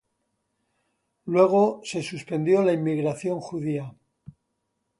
Luego se suspendió la inmigración judía.